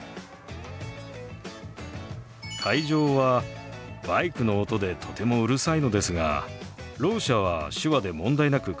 会場はバイクの音でとてもうるさいのですがろう者は手話で問題なく会話ができます。